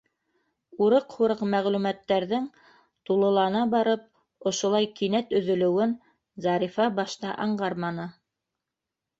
Урыҡ-һурыҡ мәғлүмәттәрҙең тулылана барып, ошолай кинәт өҙөлөүөн Зарифа башта аңғарманы.